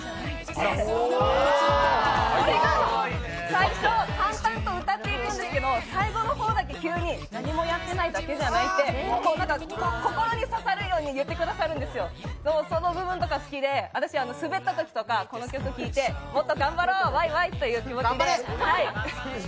最初、淡々と歌っていくんですけど最後の方だけ急に何もやってないだけじゃない？って心に刺さるように言ってくださる、その部分とか好きで私スベったときとかこの曲を聴いてもっと頑張ろう、ワイワイという気持ちになります。